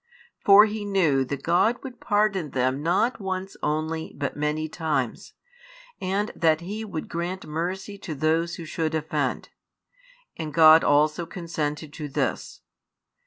For he knew that God would pardon them not once only but many times, and that He would grant mercy to those who should offend. And God also consented to this.